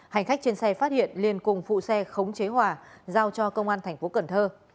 hành khách trên xe phát hiện liền cùng phụ xe khống chế hòa giao cho công an tp cần thơ